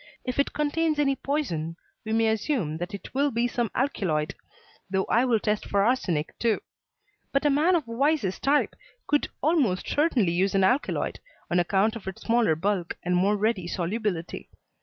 If it contains any poison we may assume that it will be some alkaloid, though I will test for arsenic too. But a man of Weiss's type would almost certainly use an alkaloid, on account of its smaller bulk and more ready solubility.